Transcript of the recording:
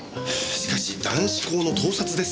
しかし男子校の盗撮ですよ？